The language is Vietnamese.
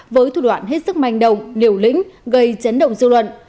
với thủ đoạn hết sức manh động liều lĩnh gây chấn động dư luận